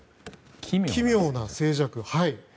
奇妙な静寂。